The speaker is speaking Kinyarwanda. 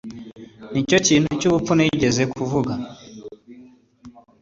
nicyo kintu cyubupfu nigeze kuvuga